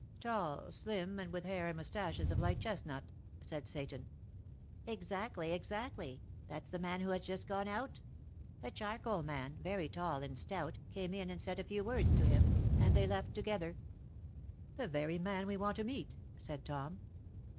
"Tall, slim, and with hair and moustaches of light chestnut," said Seyton. "Exactly, exactly; that's the man who has just gone out. A charcoal man, very tall and stout, came in and said a few words to him, and they left together." "The very man we want to meet," said Tom.